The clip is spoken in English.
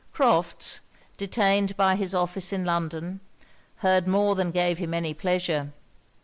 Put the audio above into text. Crofts, detained by his office in London, heard more than gave him any pleasure.